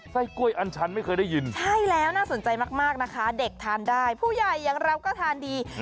ไส้กล้วยอันชันไม่เคยได้ยินใช่แล้วน่าสนใจมากนะคะเด็กทานได้ผู้ใหญ่อย่างเราก็ทานดี